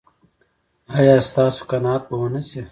ایا ستاسو قناعت به و نه شي؟